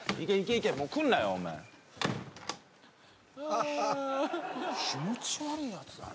気持ち悪いやつだね